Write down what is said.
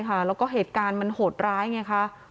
กลุ่มวัยรุ่นกลัวว่าจะไม่ได้รับความเป็นธรรมทางด้านคดีจะคืบหน้า